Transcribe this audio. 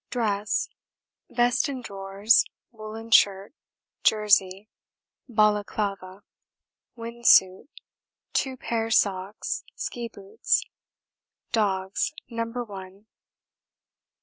Dress Vest and drawers Woollen shirt Jersey Balaclava Wind Suit Two pairs socks Ski boots. Dogs No. 1. lbs.